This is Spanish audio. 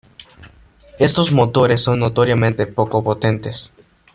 Estos motores son notoriamente poco potentes.